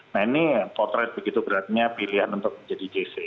nah ini potret begitu beratnya pilihan untuk menjadi jc